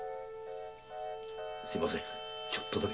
すみませんちょっとだけ。